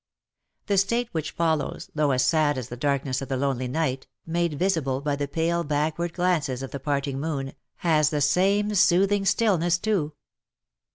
The state which follows, though as sad as the darkness of the lonely night, made visible by the pale backward glances of the parting moon, has the same soothing stillness too.